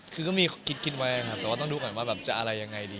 คือมีคิดไว้แต่ว่าต้องดูก่อนว่าจะอะไรยังไง